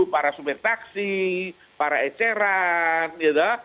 para sumber taksi para eceran